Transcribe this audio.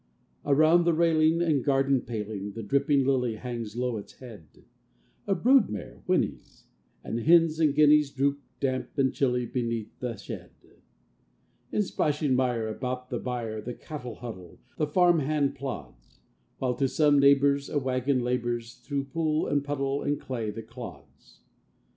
Around the railing and garden paling The dripping lily hangs low its head: A brood mare whinnies; and hens and guineas Droop, damp and chilly, beneath the shed. In splashing mire about the byre The cattle huddle, the farm hand plods; While to some neighbor's a wagon labors Through pool and puddle and clay that clods.